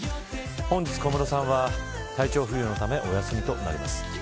本日、小室さんは体調不良のためお休みとなります。